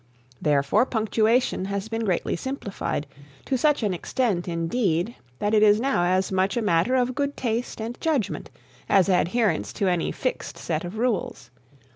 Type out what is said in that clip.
Therefore, punctuation has been greatly simplified, to such an extent indeed, that it is now as much a matter of good taste and judgment as adherence to any fixed set of rules.